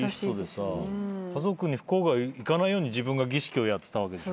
家族に不幸がいかないように自分が儀式をやってた。